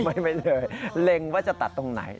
ไม่เลยเล็งว่าจะตัดตรงไหน